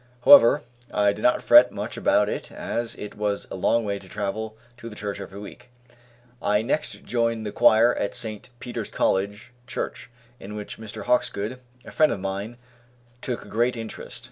However I did not fret much about it as it was a long way to travel to the church every week. I next joined the choir at St. Peter's College Church, in which Mr. Hawkesgood, a friend of mine, took great interest.